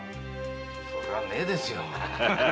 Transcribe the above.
そりゃねえですよ。